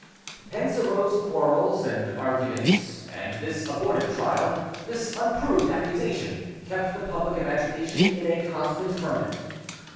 Hence arose quarrels and arguments; and this abortive trial, this unproved accusation, kept the public imagination in a constant ferment.